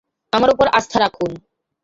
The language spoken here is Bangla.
আমার উপর আস্থা রাখুন!